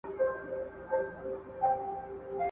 ما چي ول احمد به بالا رانسي